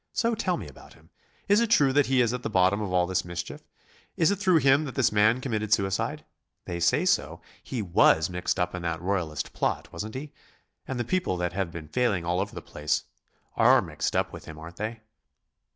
So tell me about him. Is it true that he is at the bottom of all this mischief? Is it through him that this man committed suicide? They say so. He was mixed up in that Royalist plot, wasn't he? and the people that have been failing all over the place are mixed up with him, aren't they?"